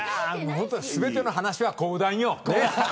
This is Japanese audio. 全ての話は講談よ。